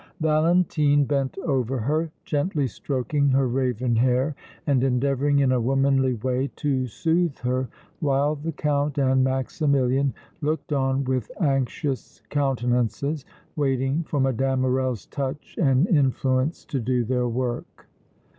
Valentine bent over her, gently stroking her raven hair and endeavoring in a womanly way to soothe her, while the Count and Maximilian looked on with anxious countenances, waiting for Mme. Morrel's touch and influence to do their work.